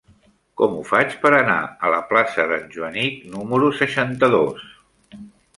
Com ho faig per anar a la plaça d'en Joanic número seixanta-dos?